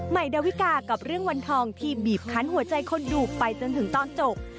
ดาวิกากับเรื่องวันทองที่บีบคันหัวใจคนดูไปจนถึงตอนจบ